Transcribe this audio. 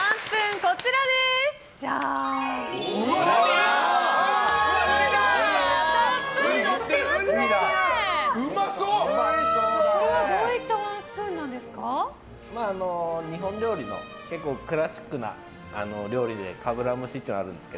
これはどういったワンスプーンなんですか？